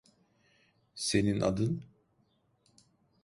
Senin adın?